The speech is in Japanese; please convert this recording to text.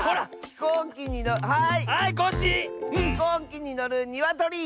ひこうきにのるにわとり！